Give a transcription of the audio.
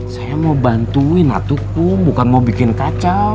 saya mau bantuin atukku bukan mau bikin kacau